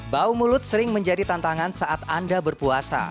bau mulut sering menjadi tantangan saat anda berpuasa